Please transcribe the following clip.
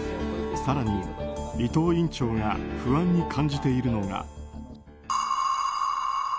更に伊藤院長が不安に感じているのが。